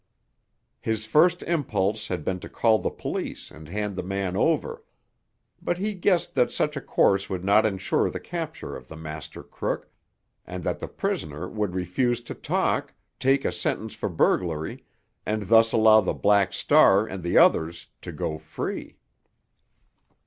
His first impulse had been to call the police and hand the man over. But he guessed that such a course would not insure the capture of the master crook, and that the prisoner would refuse to talk, take a sentence for burglary, and thus allow the Black Star and the others to go free.